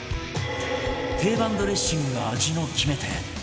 定番ドレッシングが味の決め手！